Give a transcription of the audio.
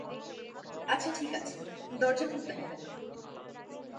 আচ্ছা ঠিক আছে, দরজা খুলতে হবে না।